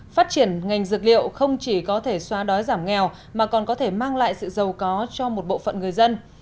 phát triển ngành dược liệu không chỉ có thể xóa đói giảm nghèo mà còn có thể mang lại sự giàu có cho một bộ phận người dân